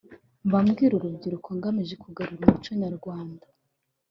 Mba mbwira urubyiruko ngamije kugarura umuco nyarwanda